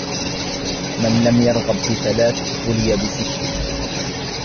مَنْ لَمْ يَرْغَبْ بِثَلَاثٍ بُلِيَ بِسِتٍّ